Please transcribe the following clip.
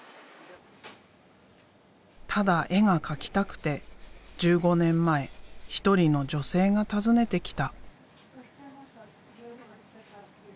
ただ絵が描きたくて１５年前一人の女性が訪ねてきた。